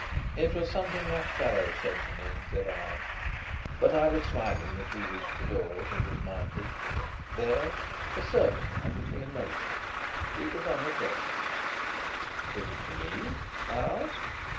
"It was something that fellow said to me," said I, but I was smiling as we reached the door and dismounted. There a servant handed me a note: it was unaddressed. "Is it for me?" I asked.